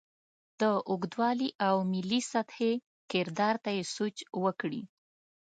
د اوږدوالي او ملي سطحې کردار ته یې سوچ وکړې.